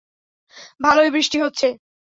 ভালোই বৃষ্টি হচ্ছে।